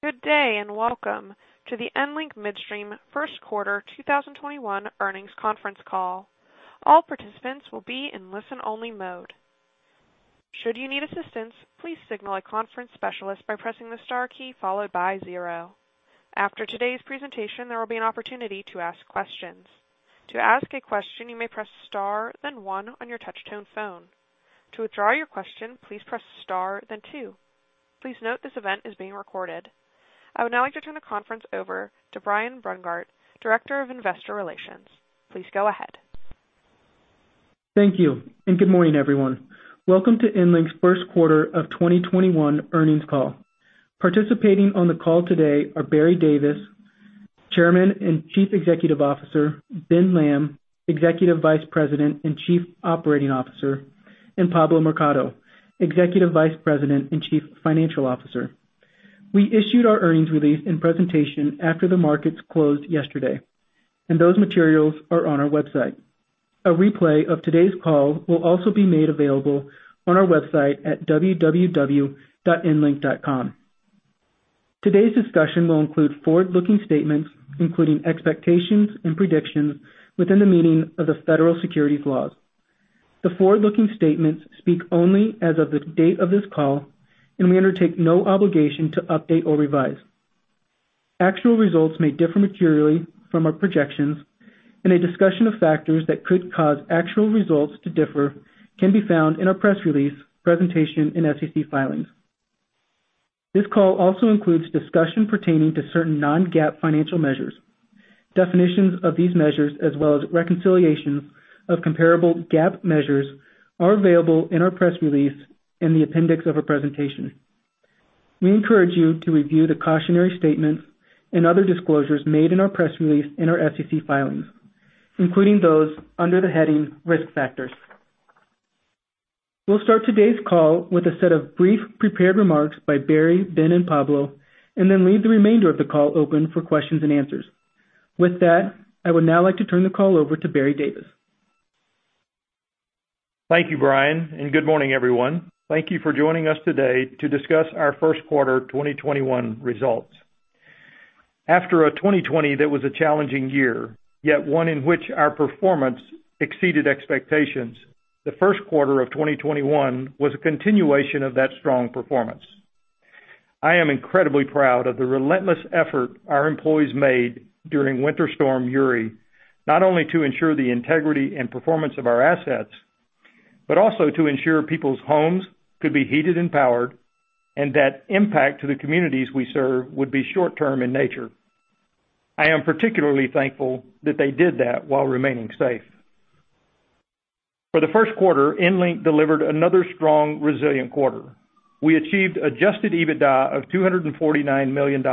Good day, welcome to the EnLink Midstream first quarter 2021 earnings conference call. All participants will be in listen-only mode. Should you need assistance, please signal a conference specialist by pressing the star key followed by zero. After today's presentation, there will be an opportunity to ask questions. To ask a question, you may press star then one on your touch tone phone. To withdraw your question, please press star then two. Please note this event is being recorded. I would now like to turn the conference over to Brian Brungardt, Director of Investor Relations. Please go ahead. Thank you, and good morning, everyone. Welcome to EnLink Midstream's first quarter of 2021 earnings call. Participating on the call today are Barry Davis, Chairman and Chief Executive Officer, Ben Lamb, Executive Vice President and Chief Operating Officer, and Pablo Mercado, Executive Vice President and Chief Financial Officer. We issued our earnings release and presentation after the markets closed yesterday, and those materials are on our website. A replay of today's call will also be made available on our website at www.enlink.com. Today's discussion will include forward-looking statements, including expectations and predictions within the meaning of the federal securities laws. The forward-looking statements speak only as of the date of this call, and we undertake no obligation to update or revise. Actual results may differ materially from our projections, a discussion of factors that could cause actual results to differ can be found in our press release, presentation, and SEC filings. This call also includes discussion pertaining to certain non-GAAP financial measures. Definitions of these measures, as well as reconciliation of comparable GAAP measures, are available in our press release in the appendix of our presentation. We encourage you to review the cautionary statements and other disclosures made in our press release and our SEC filings, including those under the heading Risk Factors. We'll start today's call with a set of brief prepared remarks by Barry, Ben, and Pablo, then leave the remainder of the call open for questions and answers. With that, I would now like to turn the call over to Barry Davis. Thank you, Brian, and good morning, everyone. Thank you for joining us today to discuss our first quarter 2021 results. After a 2020 that was a challenging year, yet one in which our performance exceeded expectations, the first quarter of 2021 was a continuation of that strong performance. I am incredibly proud of the relentless effort our employees made during Winter Storm Uri, not only to ensure the integrity and performance of our assets, but also to ensure people's homes could be heated and powered, and that impact to the communities we serve would be short-term in nature. I am particularly thankful that they did that while remaining safe. For the first quarter, EnLink delivered another strong, resilient quarter. We achieved adjusted EBITDA of $249 million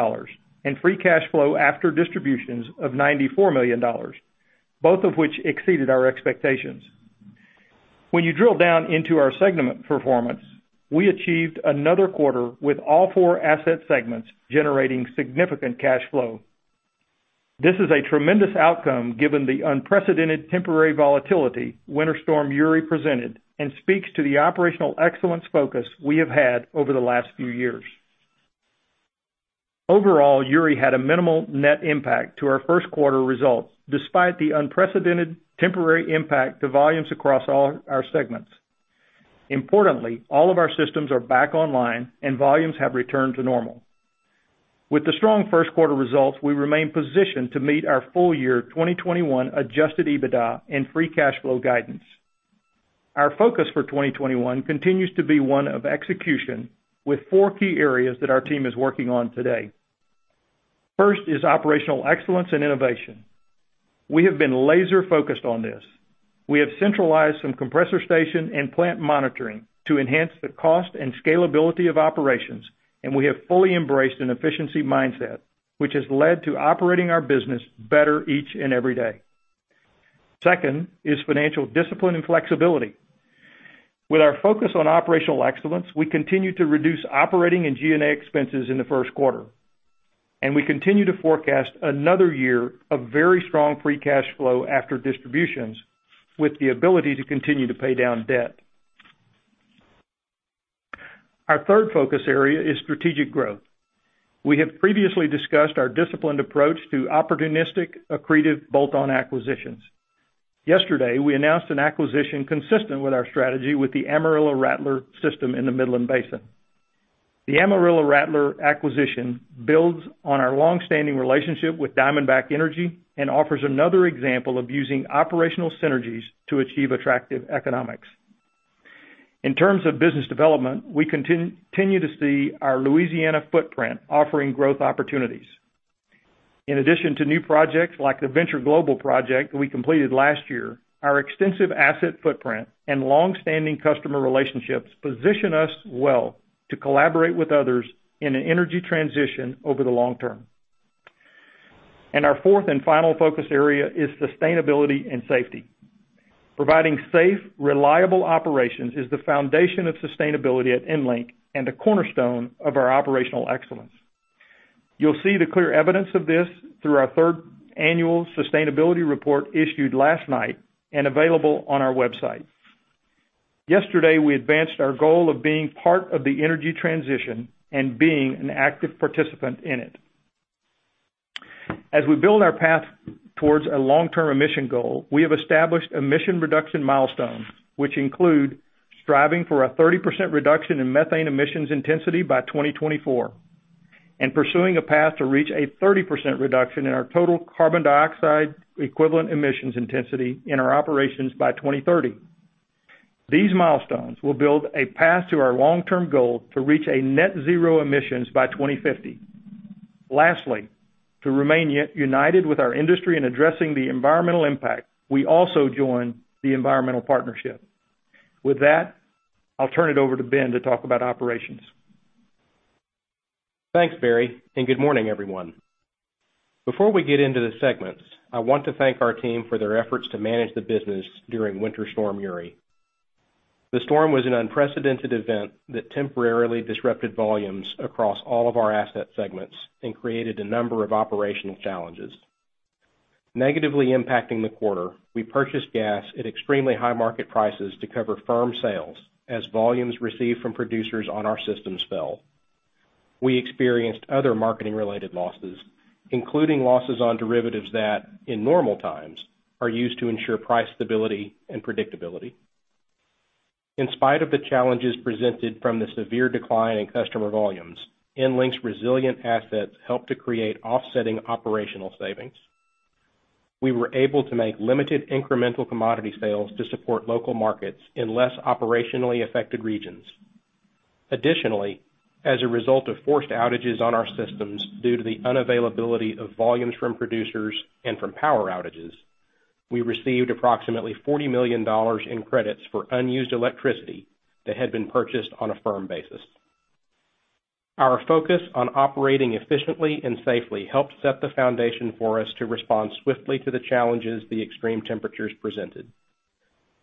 and free cash flow after distributions of $94 million, both of which exceeded our expectations. When you drill down into our segment performance, we achieved another quarter with all four asset segments generating significant cash flow. This is a tremendous outcome given the unprecedented temporary volatility Winter Storm Uri presented and speaks to the operational excellence focus we have had over the last few years. Overall, Uri had a minimal net impact to our first quarter results, despite the unprecedented temporary impact to volumes across all our segments. Importantly, all of our systems are back online and volumes have returned to normal. With the strong first quarter results, we remain positioned to meet our full year 2021 adjusted EBITDA and free cash flow guidance. Our focus for 2021 continues to be one of execution with four key areas that our team is working on today. First is operational excellence and innovation. We have been laser-focused on this. We have centralized some compressor station and plant monitoring to enhance the cost and scalability of operations. We have fully embraced an efficiency mindset, which has led to operating our business better each and every day. Second is financial discipline and flexibility. With our focus on operational excellence, we continue to reduce operating and G&A expenses in the first quarter. We continue to forecast another year of very strong free cash flow after distributions with the ability to continue to pay down debt. Our third focus area is strategic growth. We have previously discussed our disciplined approach to opportunistic, accretive bolt-on acquisitions. Yesterday, we announced an acquisition consistent with our strategy with the Amarillo Rattler system in the Midland Basin. The Amarillo Rattler acquisition builds on our long-standing relationship with Diamondback Energy and offers another example of using operational synergies to achieve attractive economics. In terms of business development, we continue to see our Louisiana footprint offering growth opportunities. In addition to new projects like the Venture Global project that we completed last year, our extensive asset footprint and long-standing customer relationships position us well to collaborate with others in an energy transition over the long term. Our fourth and final focus area is sustainability and safety. Providing safe, reliable operations is the foundation of sustainability at EnLink and a cornerstone of our operational excellence. You'll see the clear evidence of this through our third annual sustainability report issued last night and available on our website. Yesterday, we advanced our goal of being part of the energy transition and being an active participant in it. As we build our path towards a long-term emission goal, we have established emission reduction milestones, which include striving for a 30% reduction in methane emissions intensity by 2024, and pursuing a path to reach a 30% reduction in our total carbon dioxide equivalent emissions intensity in our operations by 2030. These milestones will build a path to our long-term goal to reach a net zero emissions by 2050. Lastly, to remain united with our industry in addressing the environmental impact, we also joined the Environmental Partnership. With that, I'll turn it over to Ben to talk about operations. Thanks, Barry, and good morning, everyone. Before we get into the segments, I want to thank our team for their efforts to manage the business during Winter Storm Uri. The storm was an unprecedented event that temporarily disrupted volumes across all of our asset segments and created a number of operational challenges. Negatively impacting the quarter, we purchased gas at extremely high market prices to cover firm sales as volumes received from producers on our systems fell. We experienced other marketing-related losses, including losses on derivatives that, in normal times, are used to ensure price stability and predictability. In spite of the challenges presented from the severe decline in customer volumes, EnLink's resilient assets helped to create offsetting operational savings. We were able to make limited incremental commodity sales to support local markets in less operationally affected regions. Additionally, as a result of forced outages on our systems due to the unavailability of volumes from producers and from power outages, we received approximately $40 million in credits for unused electricity that had been purchased on a firm basis. Our focus on operating efficiently and safely helped set the foundation for us to respond swiftly to the challenges the extreme temperatures presented.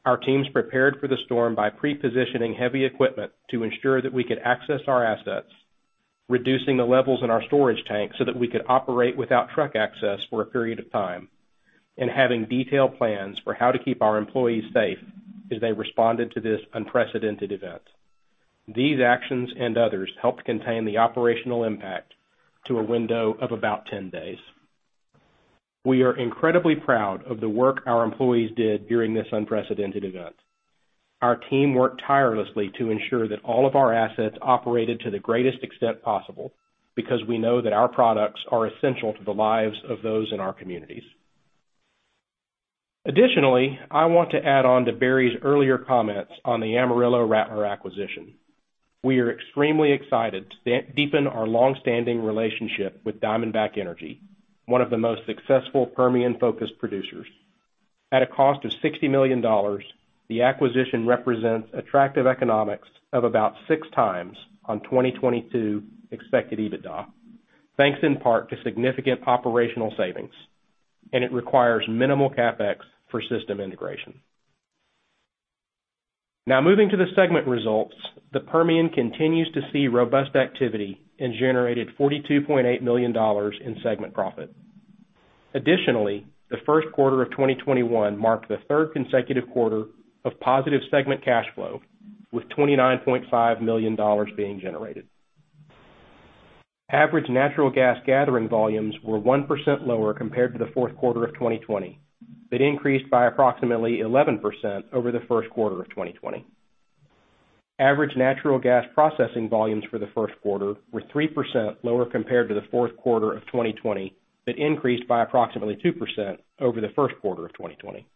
Our teams prepared for the storm by pre-positioning heavy equipment to ensure that we could access our assets, reducing the levels in our storage tanks so that we could operate without truck access for a period of time, and having detailed plans for how to keep our employees safe as they responded to this unprecedented event. These actions and others helped contain the operational impact to a window of about 10 days. We are incredibly proud of the work our employees did during this unprecedented event. Our team worked tirelessly to ensure that all of our assets operated to the greatest extent possible, because we know that our products are essential to the lives of those in our communities. Additionally, I want to add on to Barry's earlier comments on the Amarillo Rattler acquisition. We are extremely excited to deepen our long-standing relationship with Diamondback Energy, one of the most successful Permian-focused producers. At a cost of $60 million, the acquisition represents attractive economics of about 6x on 2022 expected EBITDA, thanks in part to significant operational savings, and it requires minimal CapEx for system integration. Now moving to the segment results, the Permian continues to see robust activity and generated $42.8 million in segment profit. Additionally, the first quarter of 2021 marked the third consecutive quarter of positive segment cash flow, with $29.5 million being generated. Average natural gas gathering volumes were 1% lower compared to the fourth quarter of 2020, but increased by approximately 11% over the first quarter of 2020. Average natural gas processing volumes for the first quarter were 3% lower compared to the fourth quarter of 2020, but increased by approximately 2% over the first quarter of 2020.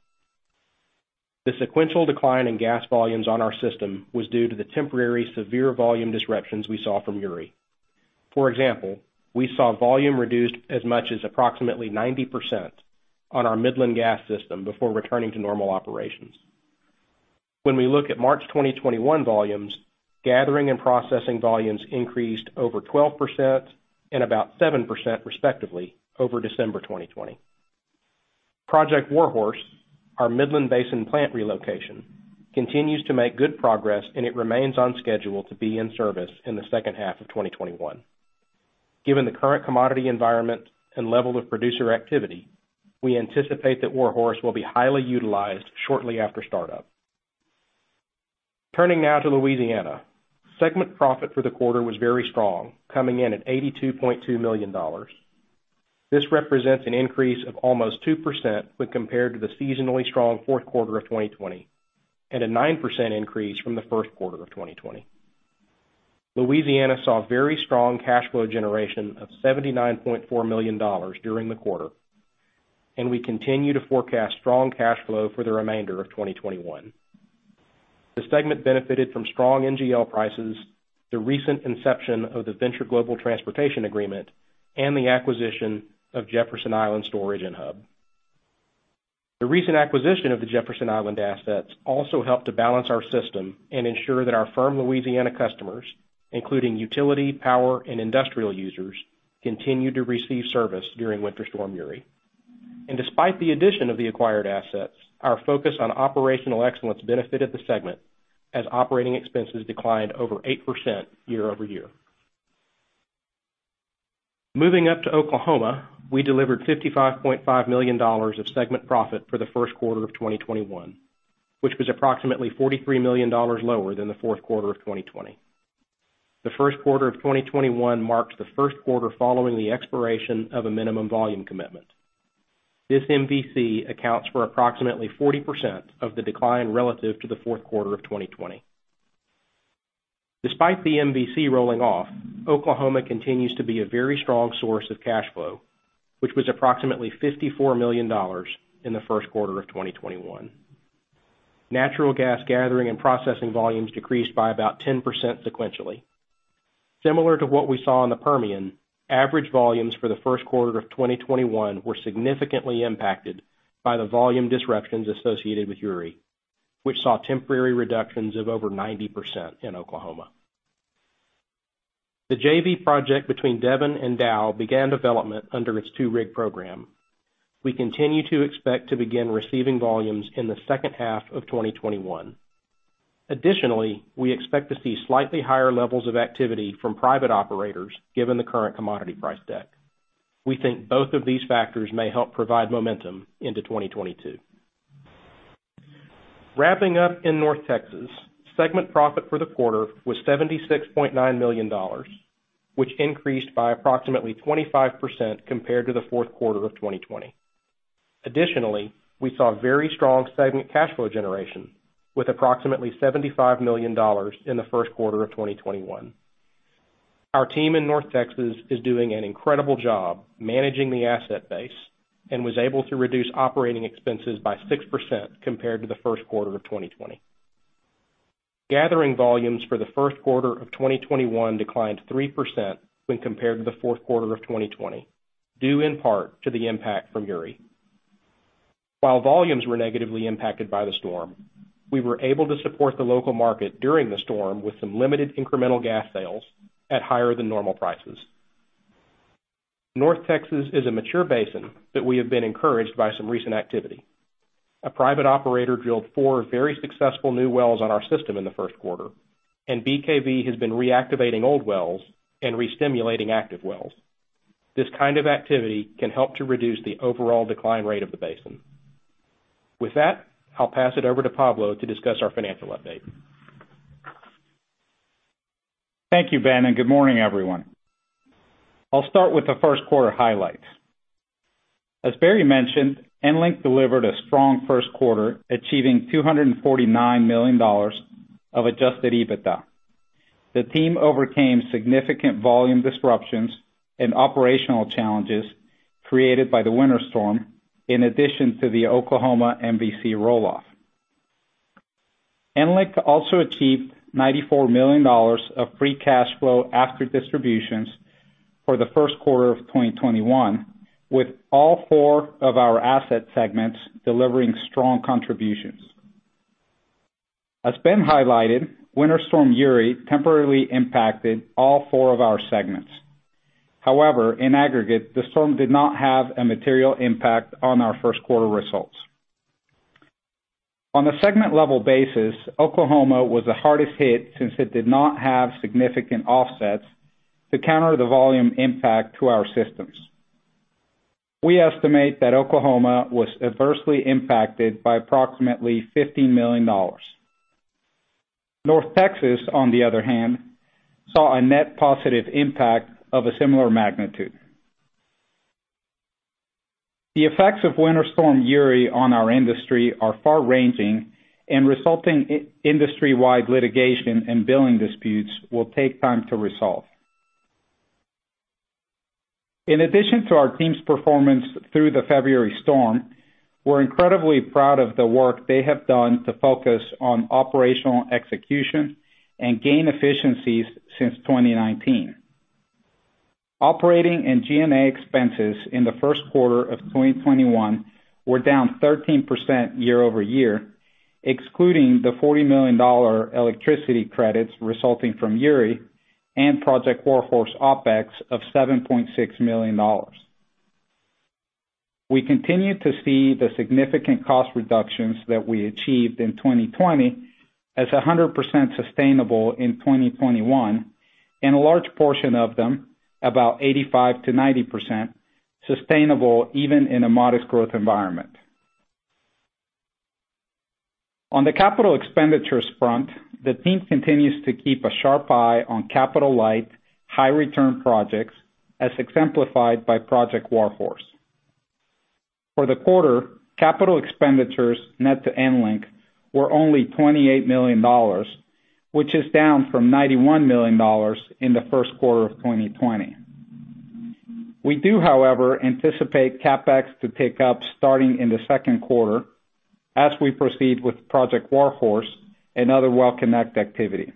The sequential decline in gas volumes on our system was due to the temporary severe volume disruptions we saw from Uri. For example, we saw volume reduced as much as approximately 90% on our Midland gas system before returning to normal operations. When we look at March 2021 volumes, gathering and processing volumes increased over 12% and about 7%, respectively, over December 2020. Project War Horse, our Midland Basin plant relocation, continues to make good progress, and it remains on schedule to be in service in the second half of 2021. Given the current commodity environment and level of producer activity, we anticipate that Warhorse will be highly utilized shortly after startup. Turning now to Louisiana. Segment profit for the quarter was very strong, coming in at $82.2 million. This represents an increase of almost 2% when compared to the seasonally strong fourth quarter of 2020, a 9% increase from the first quarter of 2020. Louisiana saw very strong cash flow generation of $79.4 million during the quarter, we continue to forecast strong cash flow for the remainder of 2021. The segment benefited from strong NGL prices, the recent inception of the Venture Global Transportation agreement, and the acquisition of Jefferson Island Storage and Hub. The recent acquisition of the Jefferson Island assets also helped to balance our system and ensure that our firm Louisiana customers, including utility, power, and industrial users, continued to receive service during Winter Storm Uri. Despite the addition of the acquired assets, our focus on operational excellence benefited the segment as operating expenses declined over 8% year-over-year. Moving up to Oklahoma, we delivered $55.5 million of segment profit for the first quarter of 2021, which was approximately $43 million lower than the fourth quarter of 2020. The first quarter of 2021 marks the first quarter following the expiration of a minimum volume commitment. This MVC accounts for approximately 40% of the decline relative to the fourth quarter of 2020. Despite the MVC rolling off, Oklahoma continues to be a very strong source of cash flow, which was approximately $54 million in the first quarter of 2021. Natural gas gathering and processing volumes decreased by about 10% sequentially. Similar to what we saw in the Permian, average volumes for the first quarter of 2021 were significantly impacted by the volume disruptions associated with Uri, which saw temporary reductions of over 90% in Oklahoma. The JV project between Devon and Dow began development under its two-rig program. We continue to expect to begin receiving volumes in the second half of 2021. Additionally, we expect to see slightly higher levels of activity from private operators, given the current commodity price deck. We think both of these factors may help provide momentum into 2022. Wrapping up in North Texas, segment profit for the quarter was $76.9 million, which increased by approximately 25% compared to the fourth quarter of 2020. Additionally, we saw very strong segment cash flow generation with approximately $75 million in the first quarter of 2021. Our team in North Texas is doing an incredible job managing the asset base and was able to reduce operating expenses by 6% compared to the first quarter of 2020. Gathering volumes for the first quarter of 2021 declined 3% when compared to the fourth quarter of 2020, due in part to the impact from Uri. While volumes were negatively impacted by the storm, we were able to support the local market during the storm with some limited incremental gas sales at higher than normal prices. North Texas is a mature basin, but we have been encouraged by some recent activity. A private operator drilled four very successful new wells on our system in the first quarter, and BKV has been reactivating old wells and re-stimulating active wells. This kind of activity can help to reduce the overall decline rate of the basin. With that, I'll pass it over to Pablo to discuss our financial update. Thank you, Ben. Good morning, everyone. I'll start with the first quarter highlights. As Barry mentioned, EnLink delivered a strong first quarter, achieving $249 million of adjusted EBITDA. The team overcame significant volume disruptions and operational challenges created by the winter storm, in addition to the Oklahoma MVC roll-off. EnLink also achieved $94 million of free cash flow after distributions for the first quarter of 2021, with all four of our asset segments delivering strong contributions. As Ben highlighted, Winter Storm Uri temporarily impacted all four of our segments. In aggregate, the storm did not have a material impact on our first quarter results. On a segment level basis, Oklahoma was the hardest hit since it did not have significant offsets to counter the volume impact to our systems. We estimate that Oklahoma was adversely impacted by approximately $15 million. North Texas, on the other hand, saw a net positive impact of a similar magnitude. The effects of Winter Storm Uri on our industry are far-ranging, and resulting industry-wide litigation and billing disputes will take time to resolve. In addition to our team's performance through the February storm, we're incredibly proud of the work they have done to focus on operational execution and gain efficiencies since 2019. Operating and G&A expenses in the first quarter of 2021 were down 13% year-over-year, excluding the $40 million electricity credits resulting from Uri and Project Warhorse OpEx of $7.6 million. We continue to see the significant cost reductions that we achieved in 2020 as 100% sustainable in 2021, and a large portion of them, about 85%-90%, sustainable even in a modest growth environment. On the capital expenditures front, the team continues to keep a sharp eye on capital-light, high-return projects, as exemplified by Project War Horse. For the quarter, capital expenditures net to EnLink were only $28 million, which is down from $91 million in the first quarter of 2020. We do, however, anticipate CapEx to pick up starting in the second quarter as we proceed with Project War Horse and other WellConnect activity.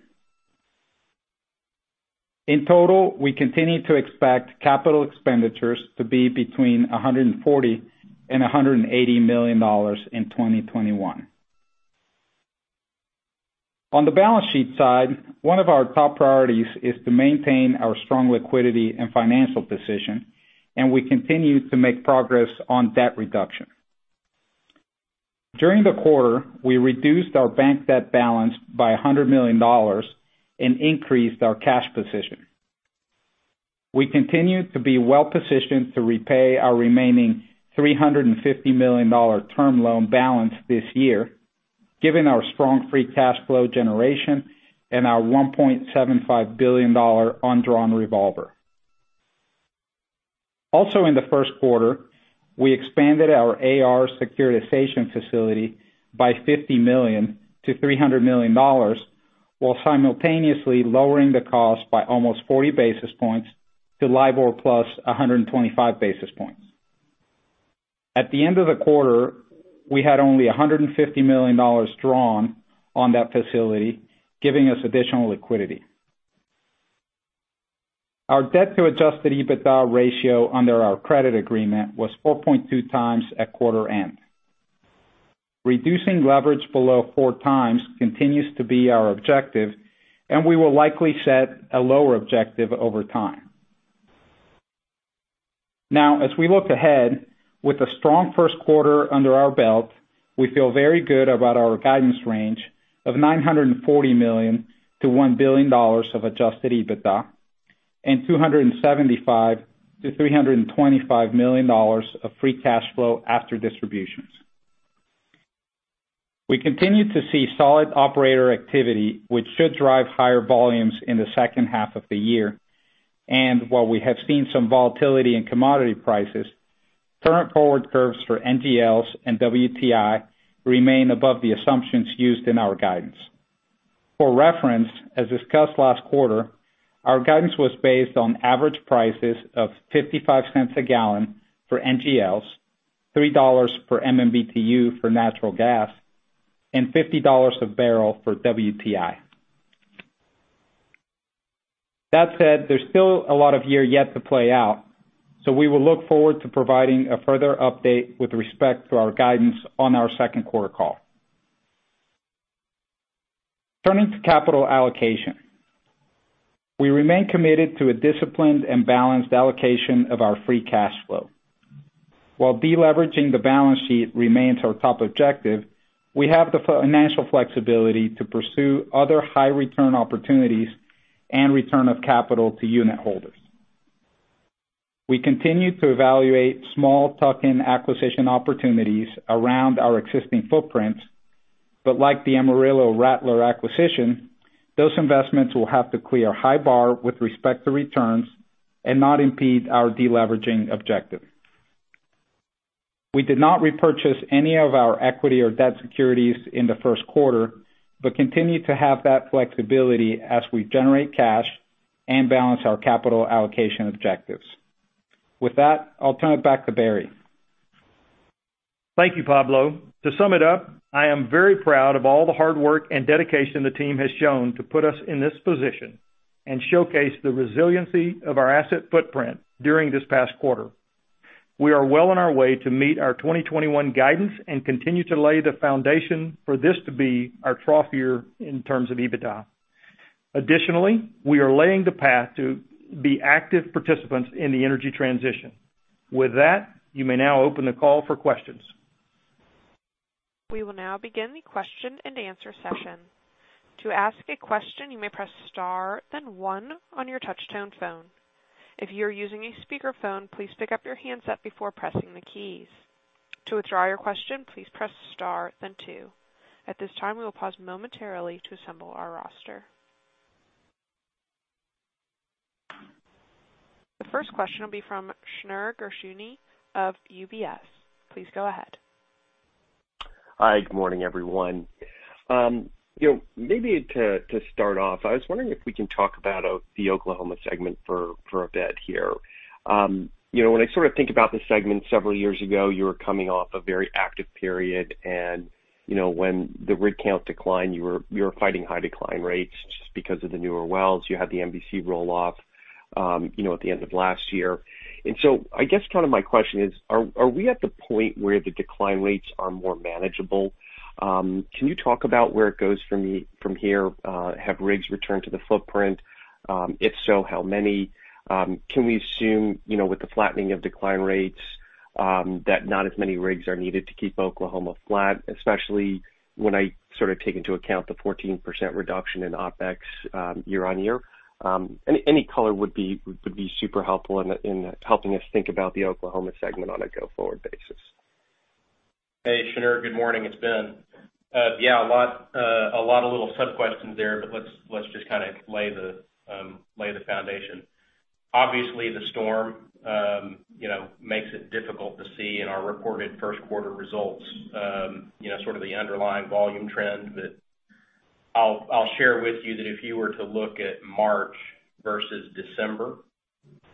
In total, we continue to expect capital expenditures to be between $140 million and $180 million in 2021. On the balance sheet side, one of our top priorities is to maintain our strong liquidity and financial position. We continue to make progress on debt reduction. During the quarter, we reduced our bank debt balance by $100 million and increased our cash position. We continue to be well-positioned to repay our remaining $350 million term loan balance this year, given our strong free cash flow generation and our $1.75 billion undrawn revolver. In the first quarter, we expanded our AR securitization facility by $50 million to $300 million, while simultaneously lowering the cost by almost 40 basis points to LIBOR plus 125 basis points. At the end of the quarter, we had only $150 million drawn on that facility, giving us additional liquidity. Our debt to adjusted EBITDA ratio under our credit agreement was 4.2x at quarter end. Reducing leverage below 4x continues to be our objective, and we will likely set a lower objective over time. As we look ahead with a strong first quarter under our belt, we feel very good about our guidance range of $940 million-$1 billion of adjusted EBITDA and $275 million-$325 million of free cash flow after distributions. We continue to see solid operator activity, which should drive higher volumes in the second half of the year. While we have seen some volatility in commodity prices, current forward curves for NGLs and WTI remain above the assumptions used in our guidance. For reference, as discussed last quarter, our guidance was based on average prices of $0.55 a gallon for NGLs, $3 per MMBtu for natural gas, and $50 a barrel for WTI. That said, there's still a lot of year yet to play out, so we will look forward to providing a further update with respect to our guidance on our second quarter call. Turning to capital allocation. We remain committed to a disciplined and balanced allocation of our free cash flow. While de-leveraging the balance sheet remains our top objective, we have the financial flexibility to pursue other high return opportunities and return of capital to unitholders. We continue to evaluate small tuck-in acquisition opportunities around our existing footprints, but like the Amarillo Rattler acquisition, those investments will have to clear a high bar with respect to returns and not impede our de-leveraging objective. We did not repurchase any of our equity or debt securities in the first quarter, but continue to have that flexibility as we generate cash and balance our capital allocation objectives. With that, I'll turn it back to Barry. Thank you, Pablo. To sum it up, I am very proud of all the hard work and dedication the team has shown to put us in this position and showcase the resiliency of our asset footprint during this past quarter. We are well on our way to meet our 2021 guidance and continue to lay the foundation for this to be our trough year in terms of EBITDA. Additionally, we are laying the path to be active participants in the energy transition. With that, you may now open the call for questions. We will now begin the question and answer session. To ask a question, you may press star, then one on your touchtone phone. If you're using a speakerphone, please pick up your handset before pressing the keys. To withdraw your question, please press star, then two. At this time, we will pause momentarily to assemble our roster. The first question will be from Shneur Gershuni of UBS. Please go ahead. Hi. Good morning, everyone. Maybe to start off, I was wondering if we can talk about the Oklahoma segment for a bit here. When I think about the segment several years ago, you were coming off a very active period, and when the rig count declined, you were fighting high decline rates just because of the newer wells. You had the MVC roll-off at the end of last year. I guess my question is, are we at the point where the decline rates are more manageable? Can you talk about where it goes from here? Have rigs returned to the footprint? If so, how many? Can we assume, with the flattening of decline rates, that not as many rigs are needed to keep Oklahoma flat, especially when I take into account the 14% reduction in OpEx year-on-year? Any color would be super helpful in helping us think about the Oklahoma segment on a go-forward basis. Hey, Shneur. Good morning. It's Ben. A lot of little sub-questions there, let's just lay the foundation. Obviously, the storm makes it difficult to see in our reported first quarter results the underlying volume trend. I'll share with you that if you were to look at March versus December,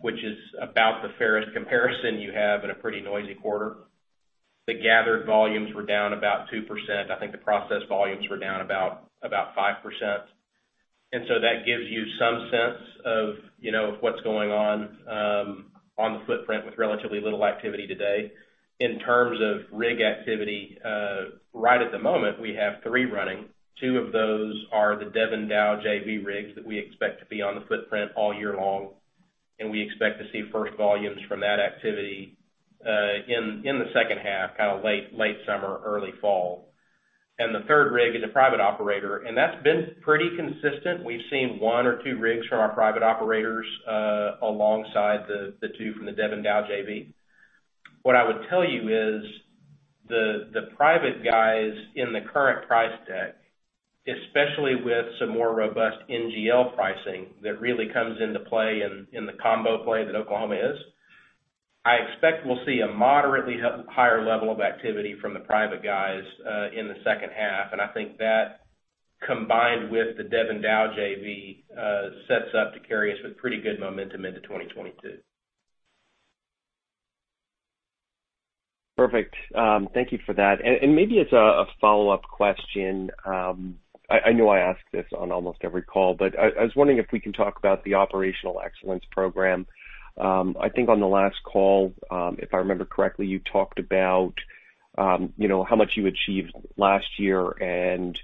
which is about the fairest comparison you have in a pretty noisy quarter, the gathered volumes were down about 2%. I think the process volumes were down about 5%. That gives you some sense of what's going on the footprint with relatively little activity today. In terms of rig activity, right at the moment, we have three running. Two of those are the Devon-Dow JV rigs that we expect to be on the footprint all year long. We expect to see first volumes from that activity in the second half, kind of late summer, early fall. The third rig is a private operator, and that's been pretty consistent. We've seen one or two rigs from our private operators, alongside the two from the Devon-Dow JV. What I would tell you is the private guys in the current price deck, especially with some more robust NGL pricing that really comes into play in the combo play that Oklahoma is, I expect we'll see a moderately higher level of activity from the private guys in the second half. I think that combined with the Devon-Dow JV, sets up to carry us with pretty good momentum into 2022. Perfect. Thank you for that. Maybe as a follow-up question, I know I ask this on almost every call, but I was wondering if we can talk about the Operational Excellence program. I think on the last call, if I remember correctly, you talked about how much you achieved last year and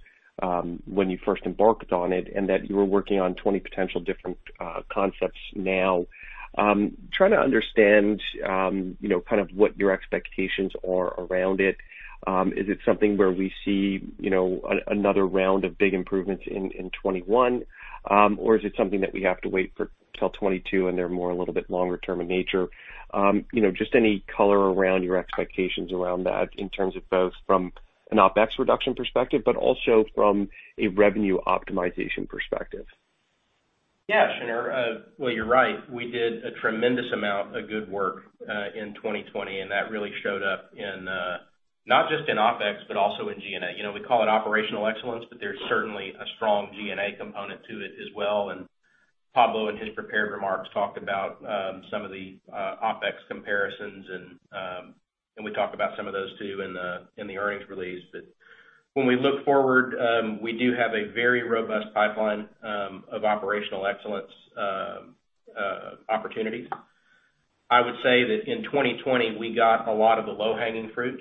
when you first embarked on it, and that you were working on 20 potential different concepts now. Trying to understand what your expectations are around it. Is it something where we see another round of big improvements in 2021? Is it something that we have to wait for till 2022, and they're more a little bit longer term in nature? Any color around your expectations around that in terms of both from an OpEx reduction perspective, but also from a revenue optimization perspective. Yeah, sure. Well, you're right. We did a tremendous amount of good work in 2020. That really showed up in not just in OpEx, but also in G&A. We call it operational excellence. There's certainly a strong G&A component to it as well. Pablo, in his prepared remarks, talked about some of the OpEx comparisons, and we talked about some of those too in the earnings release. When we look forward, we do have a very robust pipeline of operational excellence opportunities. I would say that in 2020, we got a lot of the low-hanging fruit.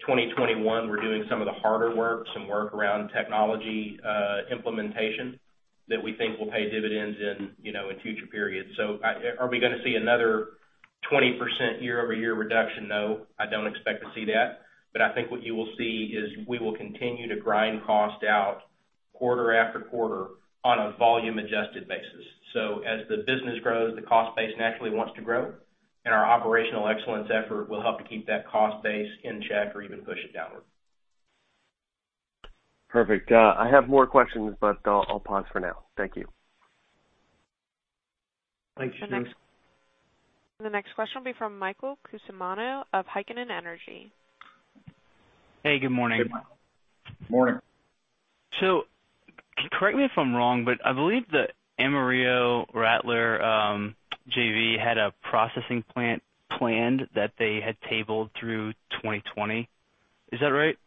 2021, we're doing some of the harder work, some work around technology implementation that we think will pay dividends in future periods. Are we going to see another 20% year-over-year reduction? No, I don't expect to see that. I think what you will see is we will continue to grind cost out quarter after quarter on a volume adjusted basis. As the business grows, the cost base naturally wants to grow, and our operational excellence effort will help to keep that cost base in check or even push it downward. Perfect. I have more questions, but I'll pause for now. Thank you. Thanks, Shneur. The next question will be from Michael Cusimano of Heikkinen Energy. Hey, good morning. Good morning. Correct me if I'm wrong, but I believe the Amarillo Rattler JV had a processing plant planned that they had tabled through 2020. Is that right?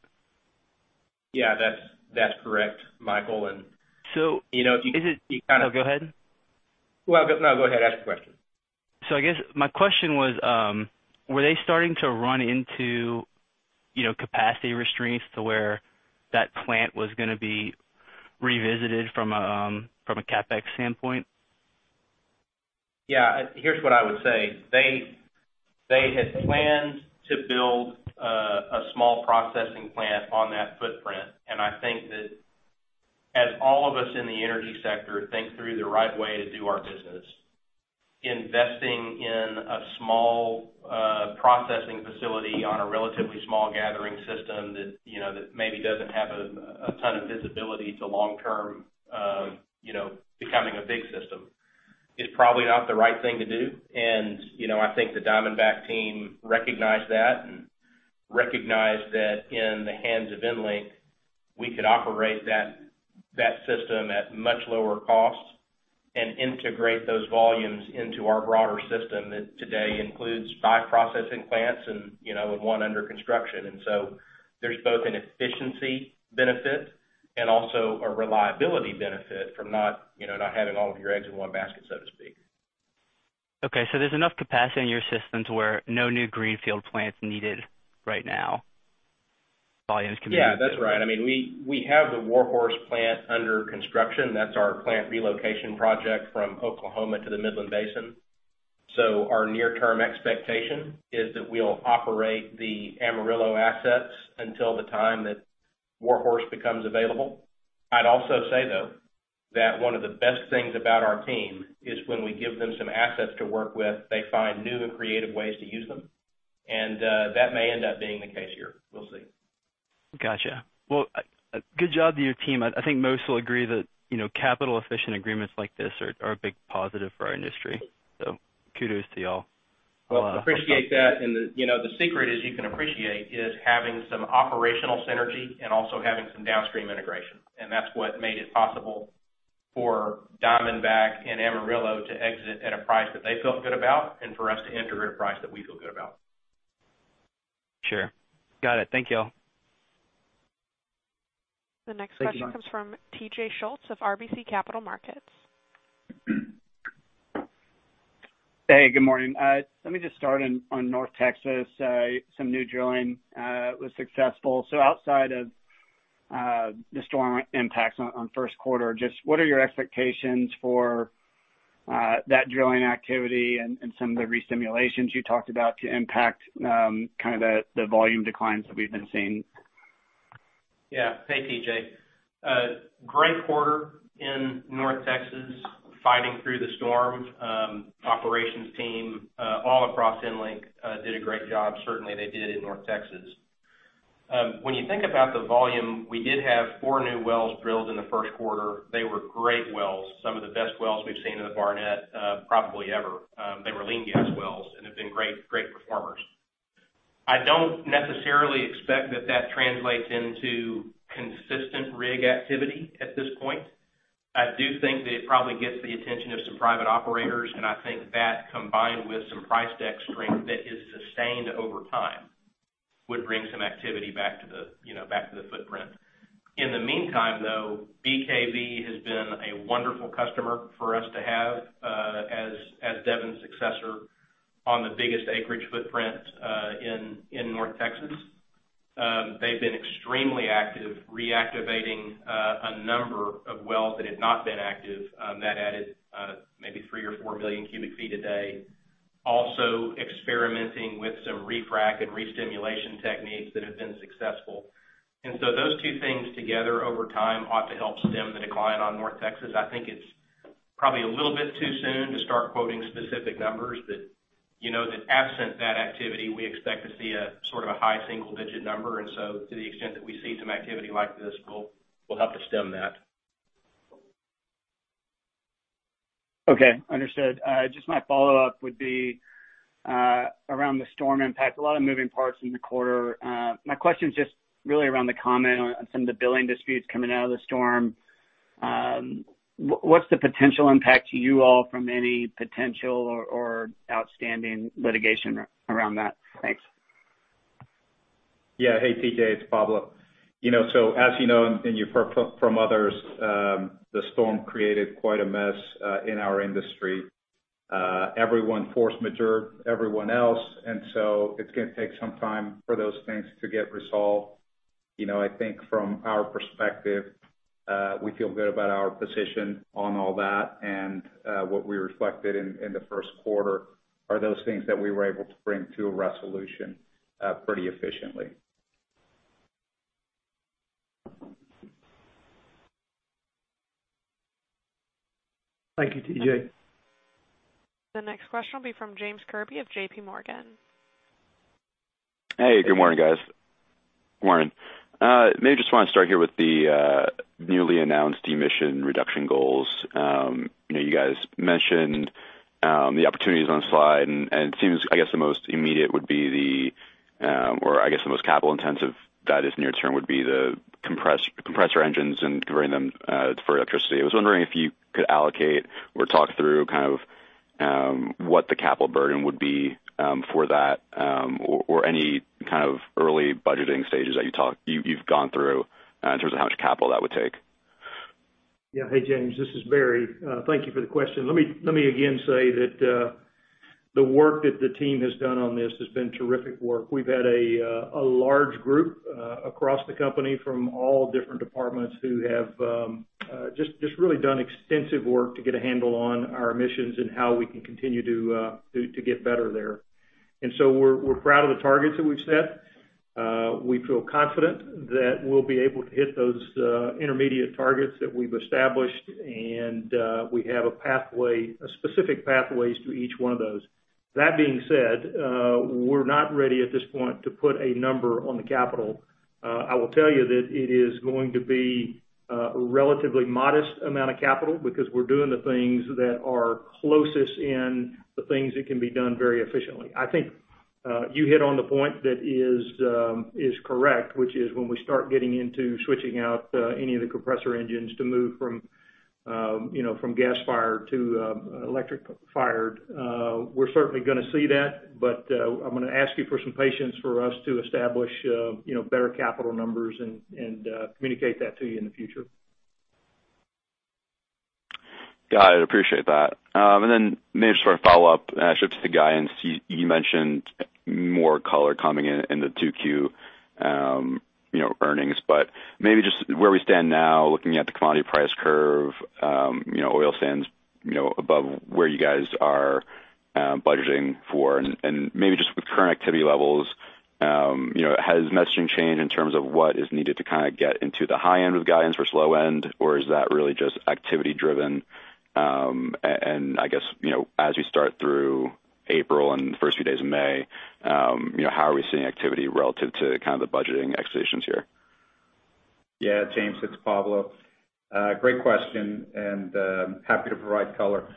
Yeah. That's correct, Michael. So is it-- If you kind of- No, go ahead. Well, no. Go ahead. Ask the question. I guess my question was, were they starting to run into capacity restraints to where that plant was going to be revisited from a CapEx standpoint? Yeah. Here's what I would say. They had planned to build a small processing plant on that footprint. I think that as all of us in the energy sector think through the right way to do our business, investing in a small processing facility on a relatively small gathering system that maybe doesn't have a ton of visibility to long-term becoming a big system is probably not the right thing to do. I think the Diamondback team recognized that, and recognized that in the hands of EnLink, we could operate that system at much lower cost and integrate those volumes into our broader system that today includes five processing plants and one under construction. There's both an efficiency benefit and also a reliability benefit from not having all of your eggs in one basket, so to speak. Okay. There's enough capacity in your system to where no new greenfield plant's needed right now. That's right. We have the Project War Horse plant under construction. That's our plant relocation project from Oklahoma to the Midland Basin. Our near term expectation is that we'll operate the Amarillo assets until the time that Project War Horse becomes available. I'd also say, though, that one of the best things about our team is when we give them some assets to work with, they find new and creative ways to use them. That may end up being the case here. We'll see. Got you. Well, good job to your team. I think most will agree that capital efficient agreements like this are a big positive for our industry. Kudos to you all. Well, appreciate that. The secret as you can appreciate, is having some operational synergy and also having some downstream integration. That's what made it possible for Diamondback and Amarillo to exit at a price that they felt good about and for us to enter at a price that we feel good about. Sure. Got it. Thank you all. Thank you. The next question comes from T.J. Schultz of RBC Capital Markets. Hey, good morning. Let me just start on North Texas. Some new drilling was successful. Outside of the storm impacts on first quarter, just what are your expectations for that drilling activity and some of the re-simulations you talked about to impact kind of the volume declines that we've been seeing? Yeah. Hey, T.J. Great quarter in North Texas, fighting through the storm. Operations team, all across EnLink, did a great job. Certainly, they did in North Texas. When you think about the volume, we did have four new wells drilled in the first quarter. They were great wells, some of the best wells we've seen in the Barnett, probably ever. They were lean gas wells and have been great performers. I don't necessarily expect that to translate into consistent rig activity at this point. I do think that it probably gets the attention of some private operators, and I think that combined with some price deck strength that is sustained over time, would bring some activity back to the footprint. In the meantime, though, BKV has been a wonderful customer for us to have, as Devon's successor on the biggest acreage footprint in North Texas. They've been extremely active, reactivating a number of wells that had not been active, that added maybe three or four million cubic feet a day. Also experimenting with some re-frack and re-stimulation techniques that have been successful. Those two things together over time ought to help stem the decline on North Texas. I think it's probably a little bit too soon to start quoting specific numbers that absent that activity, we expect to see a sort of a high single-digit number. To the extent that we see some activity like this, we'll help to stem that. Okay, understood. Just my follow-up would be around the storm impact. A lot of moving parts in the quarter. My question is just really around the comment on some of the billing disputes coming out of the storm. What's the potential impact to you all from any potential or outstanding litigation around that? Thanks. Yeah. Hey, T.J., it's Pablo. As you know, and you've heard from others, the storm created quite a mess in our industry. Everyone force majeure'd everyone else, it's going to take some time for those things to get resolved. I think from our perspective, we feel good about our position on all that, and what we reflected in the first quarter are those things that we were able to bring to a resolution pretty efficiently. Thank you, T.J. The next question will be from James Kirby of JPMorgan. Hey, good morning, guys. Good morning. Maybe just want to start here with the newly announced emission reduction goals. You guys mentioned the opportunities on the slide. It seems, I guess, the most immediate would be the or I guess the most capital intensive that is near term would be the compressor engines and converting them for electricity. I was wondering if you could allocate or talk through kind of, what the capital burden would be for that, or any kind of early budgeting stages that you've gone through in terms of how much capital that would take. Hey, James. This is Barry. Thank you for the question. Let me again say that the work that the team has done on this has been terrific work. We've had a large group across the company from all different departments who have just really done extensive work to get a handle on our emissions and how we can continue to get better there. We're proud of the targets that we've set. We feel confident that we'll be able to hit those intermediate targets that we've established, and we have specific pathways to each one of those. That being said, we're not ready at this point to put a number on the capital. I will tell you that it is going to be a relatively modest amount of capital because we're doing the things that are closest in the things that can be done very efficiently. I think you hit on the point that is correct, which is when we start getting into switching out any of the compressor engines to move from gas fire to electric fire. We're certainly going to see that, but I'm going to ask you for some patience for us to establish better capital numbers and communicate that to you in the future. Got it. Appreciate that. Then maybe just for a follow-up, actually to Guy, you mentioned more color coming in in the 2Q earnings, but maybe just where we stand now, looking at the commodity price curve. Oil stands above where you guys are budgeting for, and maybe just with current activity levels, has messaging changed in terms of what is needed to kind of get into the high end of guidance versus low end? Or is that really just activity driven? I guess, as we start through April and the first few days of May, how are we seeing activity relative to kind of the budgeting expectations here? Yeah, James, it's Pablo. Great question, and happy to provide color.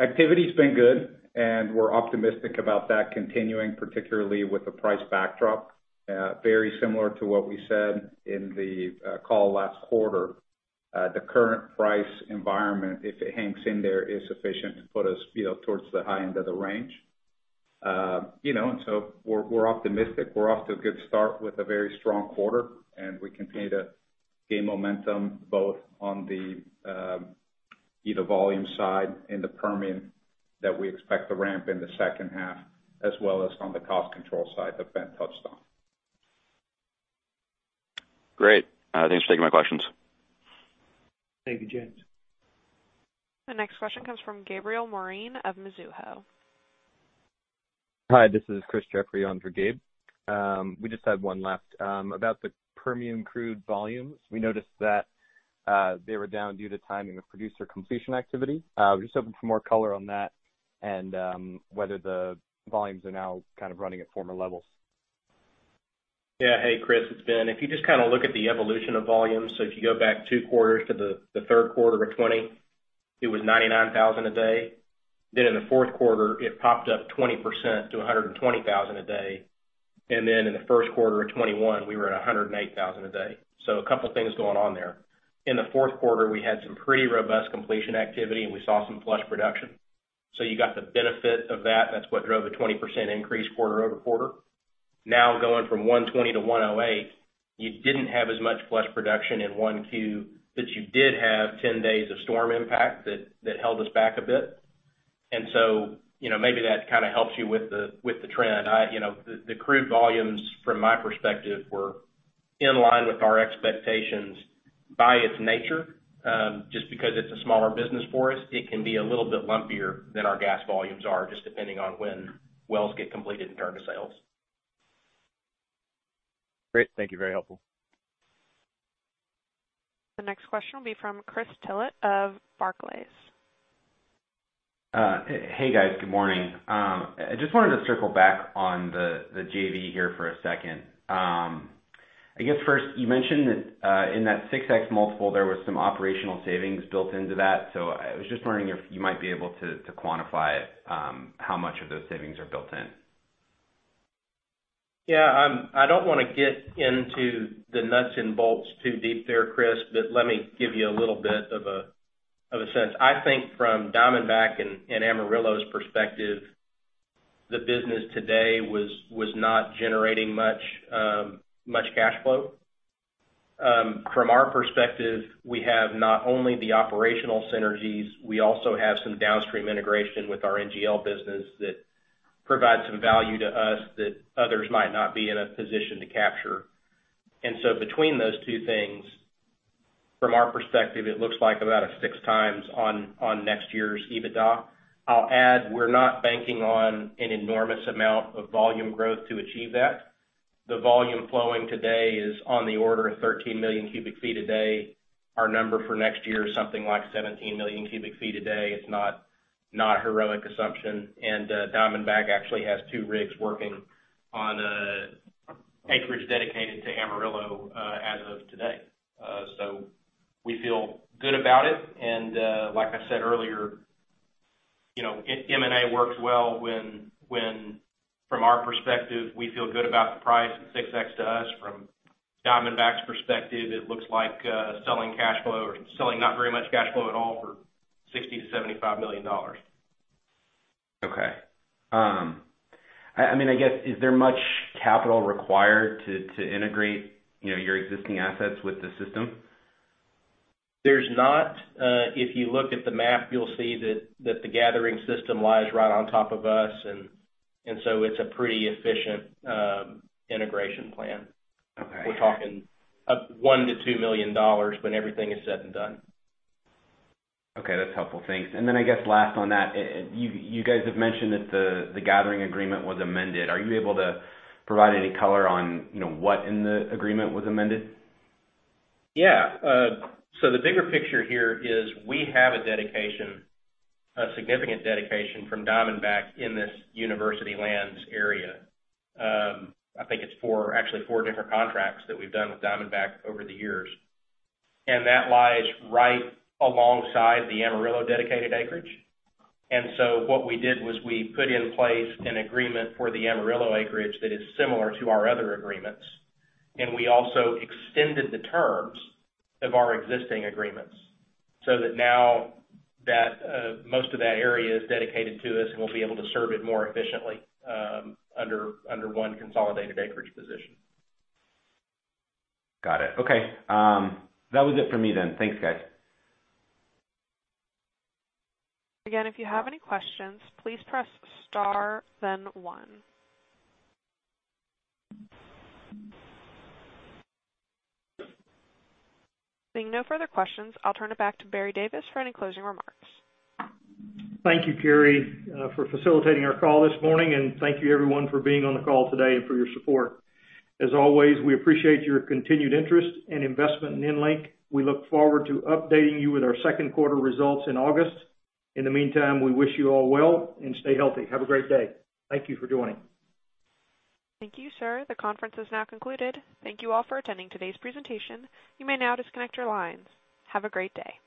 Activity's been good, and we're optimistic about that continuing, particularly with the price backdrop. Very similar to what we said in the call last quarter. The current price environment, if it hangs in there, is sufficient to put us towards the high end of the range. We're optimistic. We're off to a good start with a very strong quarter, and we continue to gain momentum both on the. Either volume side in the Permian that we expect to ramp in the second half, as well as on the cost control side that Ben touched on. Great. Thanks for taking my questions. Thank you, James. The next question comes from Gabriel Moreen of Mizuho. Hi, this is Chris Jeffrey on for Gabe. We just had one left. About the Permian crude volumes, we noticed that they were down due to timing of producer completion activity. We're just hoping for more color on that and whether the volumes are now kind of running at former levels. Yeah. Hey, Chris, it's Ben. If you just look at the evolution of volumes, if you go back two quarters to the third quarter of 2020, it was 99,000 a day. In the fourth quarter, it popped up 20% to 120,000 a day. In the first quarter of 2021, we were at 108,000 a day. A couple of things going on there. In the fourth quarter, we had some pretty robust completion activity, and we saw some flush production. You got the benefit of that. That's what drove the 20% increase quarter-over-quarter. Now going from 120 to 108, you didn't have as much flush production in 1Q, but you did have 10 days of storm impact that held us back a bit. Maybe that kind of helps you with the trend. The crude volumes, from my perspective, were in line with our expectations by its nature. Just because it's a smaller business for us, it can be a little bit lumpier than our gas volumes are, just depending on when wells get completed and turned to sales. Great. Thank you. Very helpful. The next question will be from Christopher Tillett of Barclays. Hey, guys. Good morning. I just wanted to circle back on the JV here for a second. I guess first, you mentioned that in that 6x multiple, there was some operational savings built into that. I was just wondering if you might be able to quantify how much of those savings are built in. Yeah. I don't want to get into the nuts and bolts too deep there, Chris, but let me give you a little bit of a sense. I think from Diamondback and Amarillo's perspective, the business today was not generating much cash flow. From our perspective, we have not only the operational synergies, we also have some downstream integration with our NGL business that provides some value to us that others might not be in a position to capture. Between those two things, from our perspective, it looks like about a 6x on next year's EBITDA. I'll add, we're not banking on an enormous amount of volume growth to achieve that. The volume flowing today is on the order of 13 million cubic feet a day. Our number for next year is something like 17 million cubic feet a day. It's not heroic assumption. Diamondback actually has two rigs working on acreage dedicated to Amarillo as of today. We feel good about it. Like I said earlier, M&A works well when from our perspective, we feel good about the price at 6x to us. From Diamondback's perspective, it looks like selling not very much cash flow at all for $60 million-$75 million. Okay. I guess, is there much capital required to integrate your existing assets with the system? There's not. If you look at the map, you'll see that the gathering system lies right on top of us, and so it's a pretty efficient integration plan. Okay. We're talking of $1 million-$2 million when everything is said and done. Okay, that's helpful. Thanks. I guess last on that, you guys have mentioned that the gathering agreement was amended. Are you able to provide any color on what in the agreement was amended? Yeah. The bigger picture here is we have a significant dedication from Diamondback in this University Lands area. I think it's actually four different contracts that we've done with Diamondback over the years. That lies right alongside the Amarillo dedicated acreage. What we did was we put in place an agreement for the Amarillo acreage that is similar to our other agreements. We also extended the terms of our existing agreements, so that now most of that area is dedicated to us, and we'll be able to serve it more efficiently under one consolidated acreage position. Got it. Okay. That was it for me then. Thanks, guys. Again, if you have any questions, please press star then one. Seeing no further questions, I'll turn it back to Barry Davis for any closing remarks. Thank you, Carrie, for facilitating our call this morning, and thank you everyone for being on the call today and for your support. As always, we appreciate your continued interest and investment in EnLink. We look forward to updating you with our second quarter results in August. In the meantime, we wish you all well, and stay healthy. Have a great day. Thank you for joining. Thank you, sir. The conference is now concluded. Thank you all for attending today's presentation. You may now disconnect your lines. Have a great day.